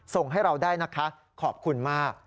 ส่งให้เราได้นะคะขอบคุณมาก